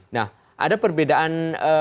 nah ada perbedaan